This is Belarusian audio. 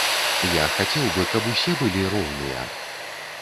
Я хацеў бы, каб усе былі роўныя.